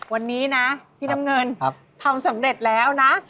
วันนี้นะพี่น้ำเงินทำสำเร็จแล้วนะ